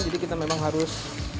jadi kita memang harus